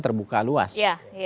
terbuka luas ya